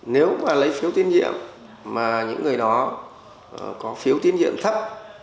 nếu mà lấy phiếu tín nhiệm mà những người đó có phiếu tín nhiệm thấp